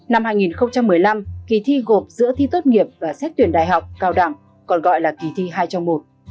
năm hai nghìn một mươi năm kỳ thi gộp giữa thi tốt nghiệp và xét tuyển đại học cao đẳng còn gọi là kỳ thi hai trong một